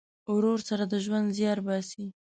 ورور سره د ژوند زیار باسې.